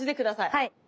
はい。